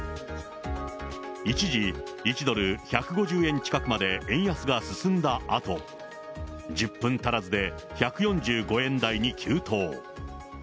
一時、１ドル１５０円近くまで円安が進んだあと、１０分足らずで１４５円台に急騰。